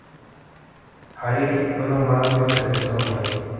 Hariri fue nombrado jefe del Estado Mayor.